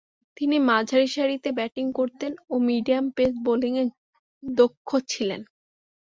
তিনি মাঝারিসারিতে ব্যাটিং করতেন ও মিডিয়াম পেস বোলিংয়ে দক্ষ ছিলেন।